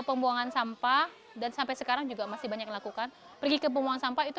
pembuangan sampah dan sampai sekarang juga masih banyak yang lakukan pergi ke pembuangan sampah itu